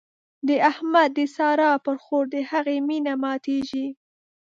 د احمد د سارا پر خور د هغې مينه ماتېږي.